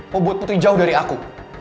mau buat putri jauh dari aku